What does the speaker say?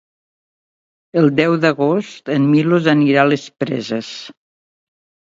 El deu d'agost en Milos anirà a les Preses.